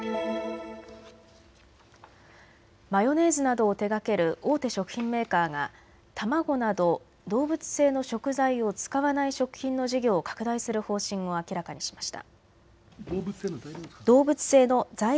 マヨネーズなどを手がける大手食品メーカーが卵など動物性の材料を使わない食品の事業を拡大する方針を明らかにしました。